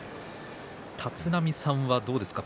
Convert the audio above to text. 立浪さんはどうですか？